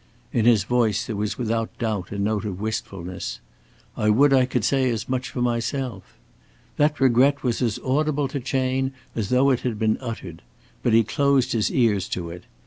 In his voice there was without doubt a note of wistfulness. "I would I could say as much for myself." That regret was as audible to Chayne as though it had been uttered. But he closed his ears to it.